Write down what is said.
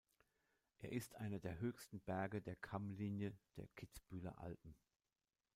Er ist einer der höchsten Berge der Kammlinie der Kitzbüheler Alpen.